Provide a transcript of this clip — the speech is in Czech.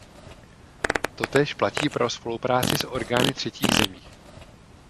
Totéž platí pro spolupráci s orgány třetích zemí.